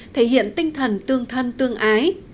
thể hiện tinh thần tương thân tương ái